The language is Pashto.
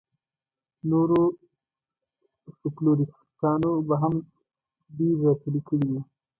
نورو فوکلوریسټانو به هم ډېرې راټولې کړې وي.